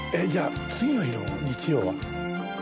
じゃあ次の日の日曜は？